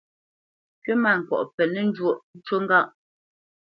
Kywítmâŋkɔʼ penə́ njwōʼ, ncú ŋgâʼ.